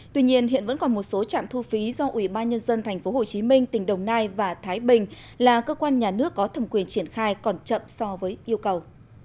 tuy nhiên hiện vẫn còn một số trạm thu phí do ủy ban nhân dân tp hcm tỉnh đồng nai và thái bình là cơ quan nhà nước có thẩm quyền triển khai còn chậm so với yêu cầu